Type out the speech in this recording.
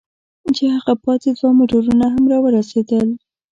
چې هغه پاتې دوه موټرونه هم را ورسېدل.